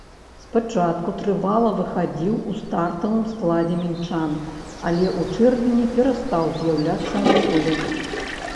Спачатку трывала выхадзіў у стартавым складзе мінчан, але ў чэрвені перастаў з'яўляцца на полі.